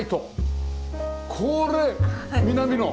これ南の？